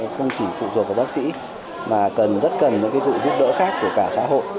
không chỉ phụ thuộc vào bác sĩ mà rất cần những cái dự dụng đỡ khác của cả xã hội